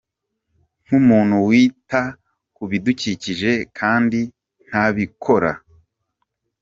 Nk’umuntu wita ku bidukikije, kandi ndabikora.